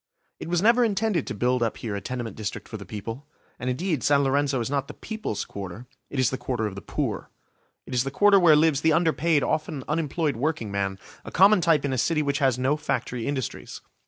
It was never intended to build up here a tenement district for the people. And indeed San Lorenzo is not the People's Quarter, it is the Quarter of the poor. It is the Quarter where lives the underpaid, often unemployed workingman, a common type in a city which has no factory industries.